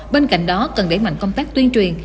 bên cạnh đó cần đẩy mạnh công tác tuyên truyền